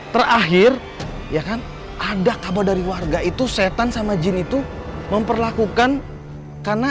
terakhir ya kan ada kabar dari warga itu setan sama jin itu memperlakukan karena